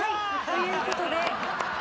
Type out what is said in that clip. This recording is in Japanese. ということで。